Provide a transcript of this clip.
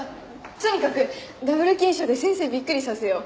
とにかくダブル金賞で先生びっくりさせよう。